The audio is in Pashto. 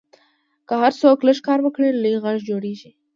که هر څوک لږ کار وکړي، لوی غږ جوړېږي.